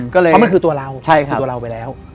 เพราะมันคือตัวเราใช่คือตัวเราไปแล้ว